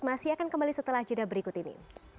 masih akan kembali setelah jodoh berita ini